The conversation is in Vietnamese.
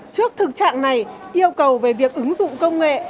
trước thực trạng này yêu cầu về việc ứng dụng công nghệ